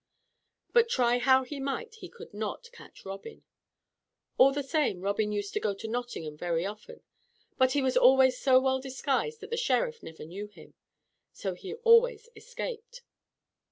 But try how he might, he could not catch Robin. All the same Robin used to go to Nottingham very often, but he was always so well disguised that the Sheriff never knew him. So he always escaped.